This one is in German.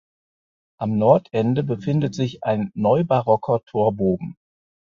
Am Nordende befindet sich ein neubarocker Torbogen.